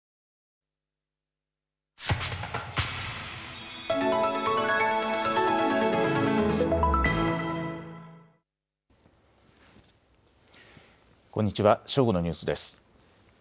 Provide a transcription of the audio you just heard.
正午のニュースです。